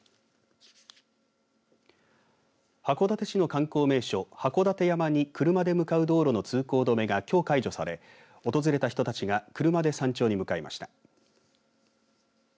函館市の観光名所、函館山に車で向かう道路の通行止めが、きょう解除され訪れた人たちが車で山頂に向かいました。